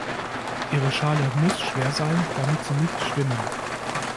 Ihre Schale muss schwer sein, damit sie nicht schwimmen.